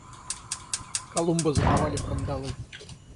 Колумба заковали в кандалы.